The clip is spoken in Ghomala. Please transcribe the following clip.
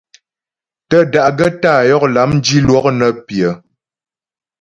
Tə́ da'gaə́ tá'a yɔk lâm dilwɔk nə́ pyə.